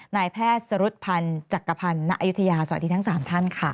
นายแพทย์สรุธพันธ์จักรพันธ์ณอายุทยาสวัสดีทั้ง๓ท่านค่ะ